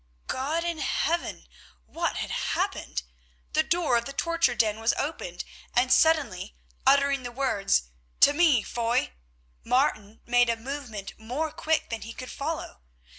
God in Heaven! What had happened? The door of the torture den was opened, and suddenly, uttering the words, "To me, Foy!" Martin made a movement more quick than he could follow.